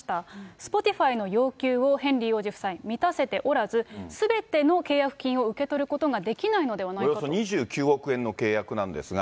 スポティファイの要求をヘンリー王子夫妻、満たせておらず、すべての契約金を受け取ることができないのではおよそ２９億円の契約なんですが。